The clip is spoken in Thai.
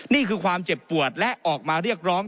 นี่คือความเจ็บปวดและออกมาเรียกร้อง